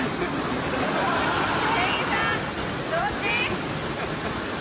店員さんどっち？